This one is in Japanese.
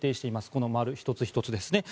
この丸１つ１つですね。